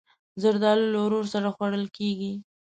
زردالو له ورور سره خوړل کېږي.